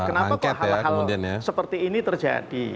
kenapa kok hal hal seperti ini terjadi